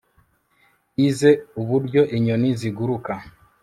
yize uburyo inyoni ziguruka